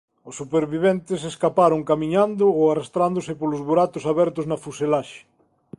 Os superviventes escaparon camiñando ou arrastrándose polos buratos abertos na fuselaxe.